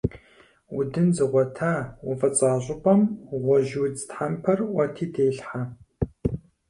Удын зыгъуэта, уфӀыцӀа щӀыпӀэм гъуэжьудз тхьэмпэр Ӏуэти телъхьэ.